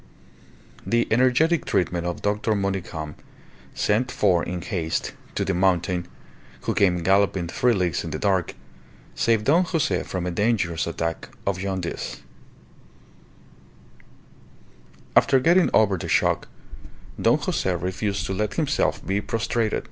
The energetic treatment of Dr. Monygham, sent for in haste "to the mountain," who came galloping three leagues in the dark, saved Don Jose from a dangerous attack of jaundice. After getting over the shock, Don Jose refused to let himself be prostrated.